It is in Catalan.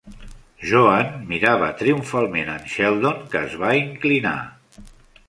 Joan mirava triomfalment en Sheldon, que es va inclinar.